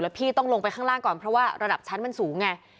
พี่ต้องลงไปข้างล่างก่อนเพราะว่าระดับชั้นมันสูงไง